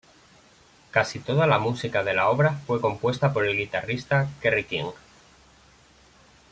Casi toda la música de la obra fue compuesta por el guitarrista Kerry King.